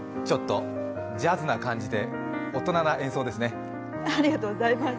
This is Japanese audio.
ちょっとジャズな感じで大人な演奏ですね。